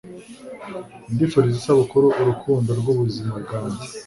ndifuriza isabukuru urukundo rw'ubuzima bwanjye